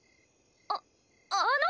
ああの！